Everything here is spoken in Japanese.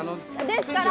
ですから。